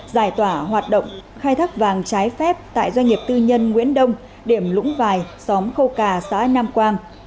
giải tỏa hoạt động khai thác vàng trái phép tại doanh nghiệp tư nhân nguyễn đông điểm lũng vài xóm khâu cà xã nam quang